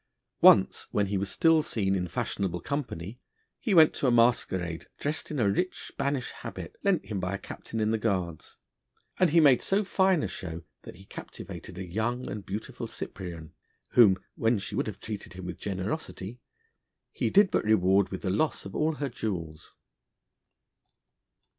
Once, when he was still seen in fashionable company, he went to a masquerade, dressed in a rich Spanish habit, lent him by a Captain in the Guards, and he made so fine a show that he captivated a young and beautiful Cyprian, whom, when she would have treated him with generosity, he did but reward with the loss of all her jewels.